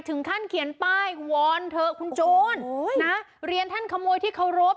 ถึงขั้นเขียนป้ายวอนเถอะคุณโจรนะเรียนท่านขโมยที่เคารพ